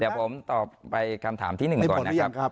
เดี๋ยวผมตอบไปคำถามที่๑ก่อนนะครับ